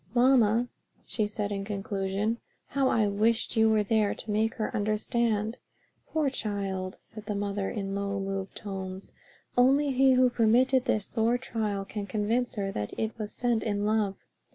"Mamma," she said in conclusion, "how I wished you were there to make her understand." "Poor child!" said the mother, in low, moved tones, "only he who permitted this sore trial can convince her that it was sent in love."